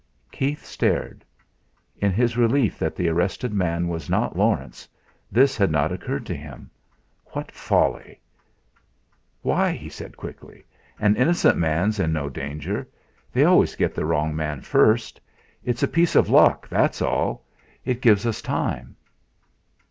Keith stared. In his relief that the arrested man was not Laurence, this had not occurred to him. What folly! "Why?" he said quickly; "an innocent man's in no danger. They always get the wrong man first. It's a piece of luck, that's all. It gives us time."